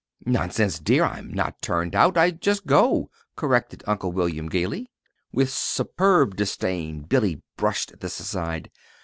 "Nonsense, dear! I'm not turned out. I just go," corrected Uncle William, gayly. With superb disdain Billy brushed this aside.